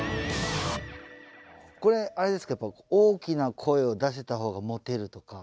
これあれですかやっぱり大きな声を出せた方がモテるとか？